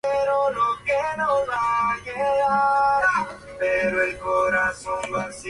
Cabe mencionar solamente algunos principios generales y condiciones que deben cumplir dichos modelos.